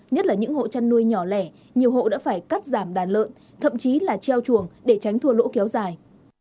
nhất là những hộ chăn nuôi nhỏ lẻ nhiều hộ đã phải cắt giảm đàn lợn thậm chí là treo chuồng để tránh thua lỗ kéo dài